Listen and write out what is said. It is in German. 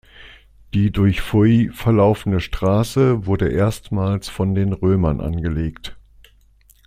Die durch Foy verlaufende Straße wurde erstmals von den Römern angelegt.